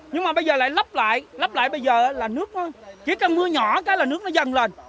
nhưng mà bây giờ lại lấp lại lấp lại bây giờ là nước chỉ cần mưa nhỏ cái là nước nó dần lên